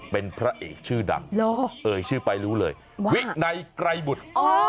เป็นพระเอกชื่อดังเอ่ยชื่อไปรู้เลยวินัยไกรบุตร